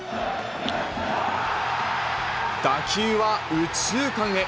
打球は右中間へ。